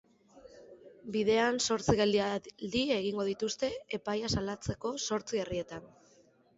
Bidean zortzi geldialdi egingo dituzte epaia salatzeko zortzi herrietan.